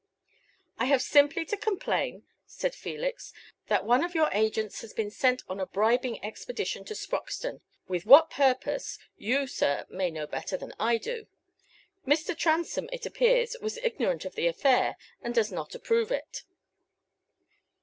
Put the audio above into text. "I have simply to complain," said Felix, "that one of your agents has been sent on a bribing expedition to Sproxton with what purpose you, sir, may know better than I do. Mr. Transome, it appears, was ignorant of the affair, and does not approve it."